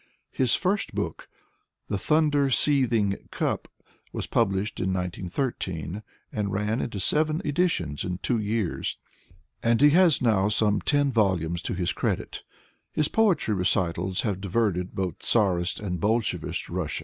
His first book, "The Thunder Seething Cup," was pub lished in 19x3 and ran into seven editions in two years, and he has now some ten volumes to his credit His poetry recitals have diverted both Czarist and Bolshevist Russia.